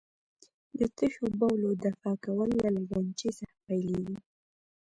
د تشو بولو دفع کول له لګنچې څخه پیلېږي.